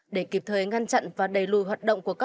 để kịp thời ngăn chặn và đẩy lùi hoạt động của nhà nước